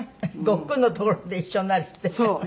ゴックンのところで一緒になるって？